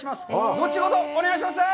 後ほどお願いします。